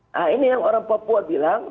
nah ini yang orang papua bilang